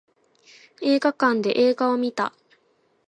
映画館で映画を見た